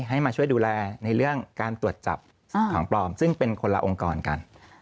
ให้มาช่วยดูแลในเรื่องการตรวจจับของปลอมซึ่งเป็นคนละองค์กรกัน